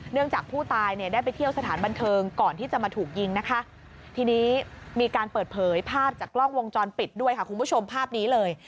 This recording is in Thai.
จากผู้ตายเนี่ยได้ไปเที่ยวสถานบันเทิงก่อนที่จะมาถูกยิงนะคะทีนี้มีการเปิดเผยภาพจากกล้องวงจรปิดด้วยค่ะคุณผู้ชมภาพนี้เลย